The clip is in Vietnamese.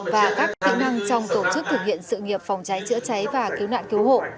và các kỹ năng trong tổ chức thực hiện sự nghiệp phòng cháy chữa cháy và cứu nạn cứu hộ